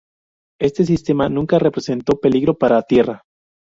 Este sistema nunca representó peligro para tierra.